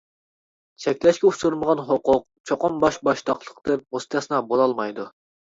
چەكلەشكە ئۇچرىمىغان ھوقۇق چوقۇم باشباشتاقلىقتىن مۇستەسنا بولالمايدۇ.